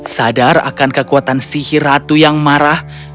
sadar akan kekuatan sihir ratu yang marah